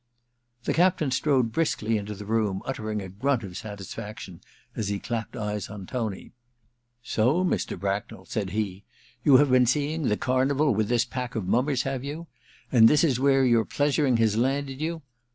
The captain strode briskly into the room, uttering a grunt of satisfaction as he clapped eyes on Tony. * So, Mr. Bracknell,* said he, * you have been seeing the Carnival with this pack of mummers, have you ? And this is where your pleasuring has landed you